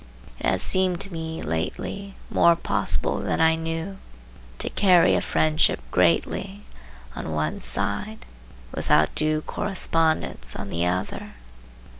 It has seemed to me lately more possible than I knew, to carry a friendship greatly, on one side, without due correspondence on the other.